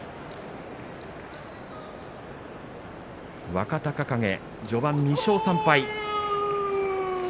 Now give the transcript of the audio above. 若隆景、序盤２勝３敗。